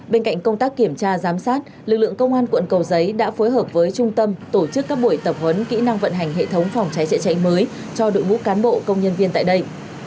bên cạnh công tác kiểm tra giám sát lực lượng công an quận cầu giấy đã phối hợp với trung tâm tổ chức các buổi tập huấn kỹ năng vận hành hệ thống phòng cháy chữa cháy mới cho đội ngũ cán bộ công nhân viên tại đây